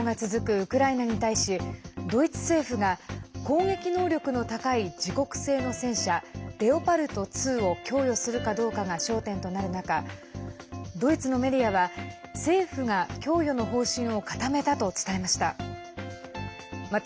ウクライナに対しドイツ政府が攻撃能力の高い自国製の戦車レオパルト２を供与するかどうかが焦点となる中ドイツのメディアは、政府が供与の方針を固めたと伝えました。